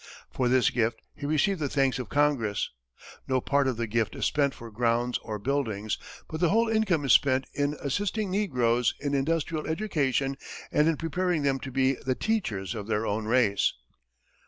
For this gift he received the thanks of Congress. No part of the gift is spent for grounds or buildings, but the whole income is spent in assisting negroes in industrial education and in preparing them to be the teachers of their own race.